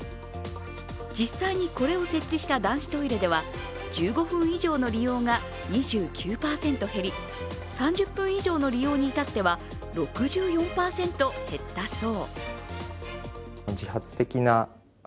実際にこれを設置した男子トイレでは１５分以上の利用が２９％減り、３０分以上の利用に至っては６４％減ったそう。